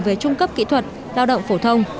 về trung cấp kỹ thuật lao động phổ thông